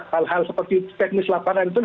hal hal seperti teknis lapangan pun